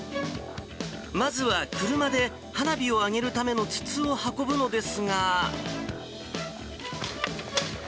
まずは車で、花火を上げるための筒を運ぶのですが。